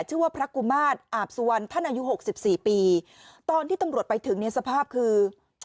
ชื่อว่าพระกุมาตรอาบสุวรรณท่านอายุหกสิบสี่ปีตอนที่ตำรวจไปถึงเนี่ยสภาพคือ